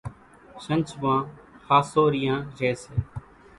شنجھ مان ۿاسُوريان ريئيَ سي۔